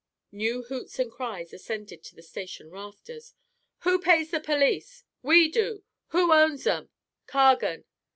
New hoots and cries ascended to the station rafters. "Who pays the police?" "We do." "Who owns 'em?" "Cargan."